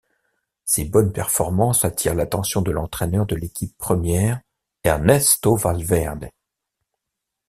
Ses bonnes performances attirent l'attention de l'entraîneur de l'équipe première Ernesto Valverde.